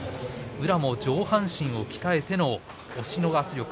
宇良も上半身を鍛えての押しの圧力。